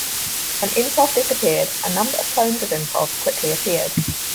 When Improv disappeared a number of clones of Improv quickly appeared.